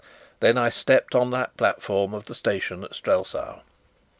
Then I stepped on the platform of the station at Strelsau.